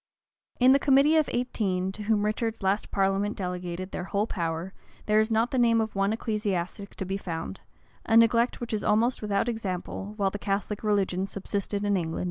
In the committee of eighteen, to whom Richard's last parliament delegated their whole power, there is not the name of one ecclesiastic to be found; a neglect which is almost without example, while the Catholic religion subsisted in England.